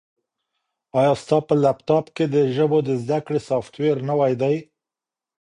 ایا ستا په لیپټاپ کي د ژبو د زده کړې سافټویر نوی دی؟